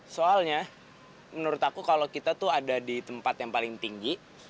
soalnya menurut aku kalau kita tuh ada di tempat yang paling tinggi